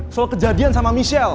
soal kejadian sama michelle